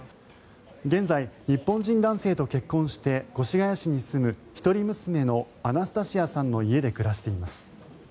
現在、日本人男性と結婚して越谷市に住む一人娘のアナスタシアさんの家で暮らしています。